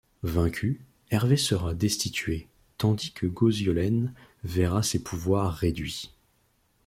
Vaincu, Hervé sera destitué, tandis que Gauziolène verra ses pouvoirs réduits.